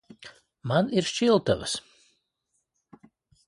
Man ir šķiltavas.